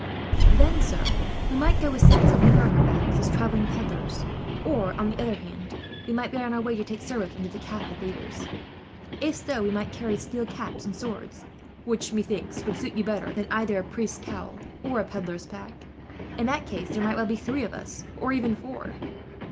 "Then, sir, we might go with sacks of ware on our backs, as travelling pedlars; or, on the other hand, we might be on our way to take service under the Catholic leaders. If so, we might carry steel caps and swords, which methinks would suit you better than either a priest's cowl or a pedlar's pack. "In that case there might well be three of us, or even four.